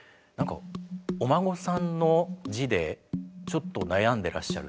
お孫さんの字でちょっと悩んでらっしゃる。